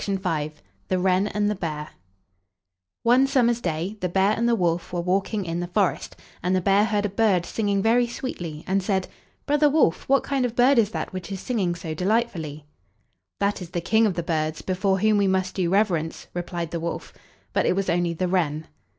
THE WREN AND THE BEAR One summer's day the bear and the wolf were walking in the forest, and the bear heard a bird singing very sweetly, and said: "Brother Wolf, what kind of bird is that which is singing so delightfully?" "That is the King of the birds, before whom we must do reverence," replied the wolf; but it was only the wren.